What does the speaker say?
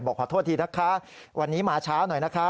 ขอโทษทีนะคะวันนี้มาช้าหน่อยนะคะ